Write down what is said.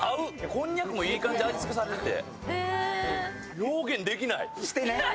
こんにゃくもいい感じで味付けされてて。